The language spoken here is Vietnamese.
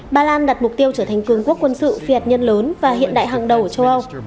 ba lan đặt mục tiêu trở thành cường quốc quân sự phi hạt nhân lớn và hiện đại hàng đầu ở châu âu